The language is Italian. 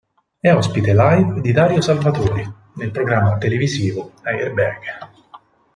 È ospite live di Dario Salvatori nel programma televisivo "Airbag".